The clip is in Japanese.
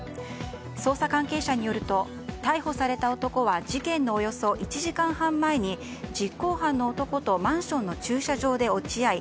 捜査関係者によると逮捕された男は事件のおよそ１時間半前に実行犯の男とマンションの駐車場で落ち合い